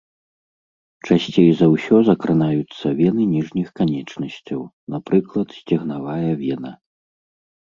Часцей за ўсё закранаюцца вены ніжніх канечнасцяў, напрыклад, сцегнавая вена.